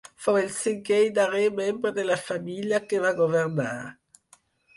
Fou el cinquè i darrer membre de la família que va governar.